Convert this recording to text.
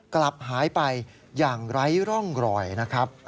กลับหายไปอย่างไร้ร่องรอยนะครับ